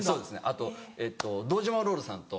あと堂島ロールさんと。